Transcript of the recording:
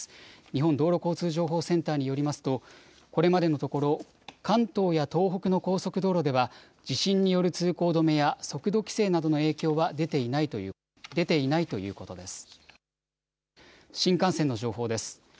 日本道路交通情報センターによりますとこれまでのところ、関東や東北の高速道路では地震による通行止めや速度規制などの影響は出ていないということです。